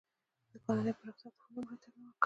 د کرنې پراختیا ته یې هم لومړیتوب نه ورکاوه.